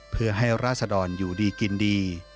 เพื่อให้ราศดรอยู่ดีกินดี